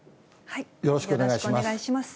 よろしくお願いします。